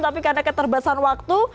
tapi karena keterbesaran waktu